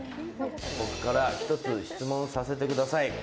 僕から一つ質問させてください。